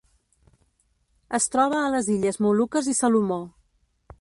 Es troba a les Illes Moluques i Salomó.